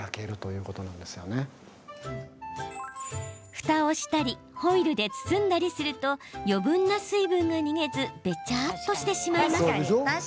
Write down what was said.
ふたをしたりホイルで包んだりすると余分な水分が逃げずべちゃっとしてしまいます。